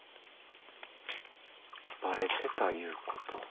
バレてたいうこと？